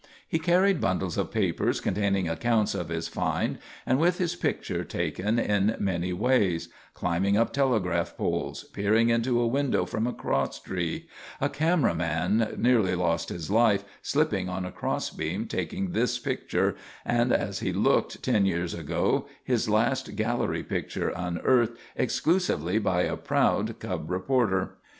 He carried bundles of papers containing accounts of his "find" and with his picture taken in many ways: climbing up telegraph poles, peering into a window from a cross tree a camera man nearly lost his life slipping on a cross beam taking this picture, and as he looked ten years ago, his last "gallery" picture unearthed "exclusively" by a proud "cub" reporter.